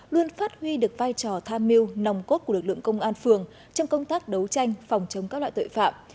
luôn phát huy được vai trò tham mưu nòng cốt của lực lượng công an phường trong công tác đấu tranh phòng chống các loại tội phạm